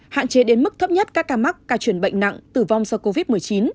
hạn chế đến mức thấp nhất các ca mắc ca chuyển bệnh nặng tử vong do covid một mươi chín